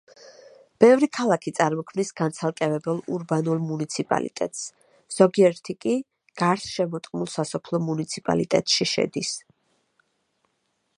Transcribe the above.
ბევრი ქალაქი წარმოქმნის განცალკევებულ ურბანულ მუნიციპალიტეტს, ზოგიერთი კი გარსშემორტყმულ სასოფლო მუნიციპალიტეტში შედის.